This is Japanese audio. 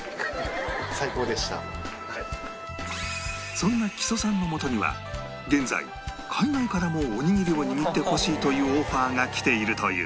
そんな木曽さんの元には現在海外からもおにぎりを握ってほしいというオファーが来ているという